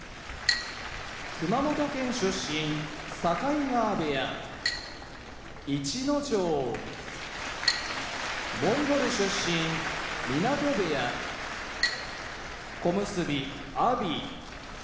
熊本県出身境川部屋逸ノ城モンゴル出身湊部屋小結・阿炎